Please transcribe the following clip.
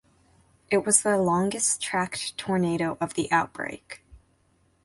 It was the longest tracked tornado of the outbreak.